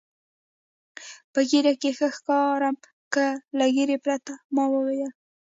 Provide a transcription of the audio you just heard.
په ږیره کې ښه ښکارم که له ږیرې پرته؟ ما وویل.